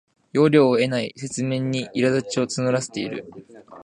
要領を得ない説明にいらだちを募らせている